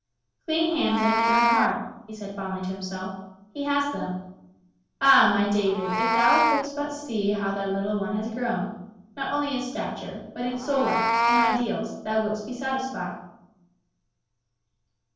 "Clean hands and a pure heart," he said fondly to himself. "He has them. Ah, my David, if thou couldst but see how thy little one has grown, not only in stature, but in soul life, in ideals, thou would'st be satisfied."